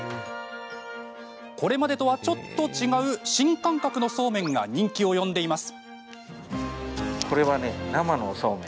これまでとはちょっと違う新感覚のそうめんが人気を呼んでいます。